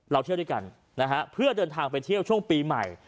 เที่ยวด้วยกันนะฮะเพื่อเดินทางไปเที่ยวช่วงปีใหม่